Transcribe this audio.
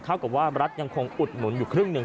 กับว่ารัฐยังคงอุดหนุนอยู่ครึ่งหนึ่ง